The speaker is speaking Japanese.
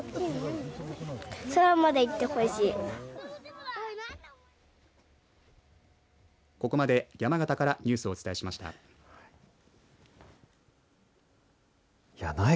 空までいってほしい。